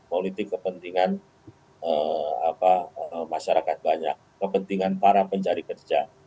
politik kepentingan masyarakat banyak kepentingan para pencari kerja